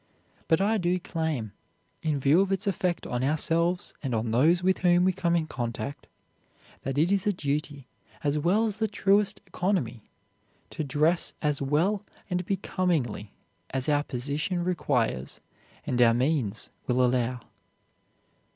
But I do claim, in view of its effect on ourselves and on those with whom we come in contact, that it is a duty, as well as the truest economy, to dress as well and becomingly as our position requires and our means will allow.